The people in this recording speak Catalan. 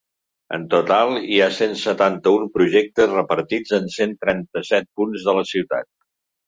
En total, hi ha cent setanta-un projectes repartits en cent trenta-set punts de la ciutat.